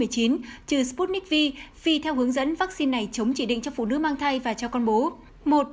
trừ sputnik v vì theo hướng dẫn vaccine này chống chỉ định cho phụ nữ mang thai và cho con bố